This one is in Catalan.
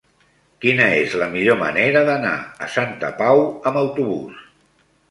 Quina és la millor manera d'anar a Santa Pau amb autobús?